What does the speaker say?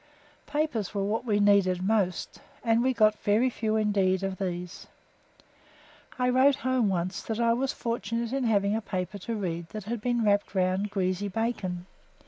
Papers were what we needed most, and we got very few indeed of these. I wrote home once that I was fortunate in having a paper to read that had been wrapped round greasy bacon.